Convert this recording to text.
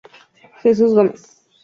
Jesús Gómez.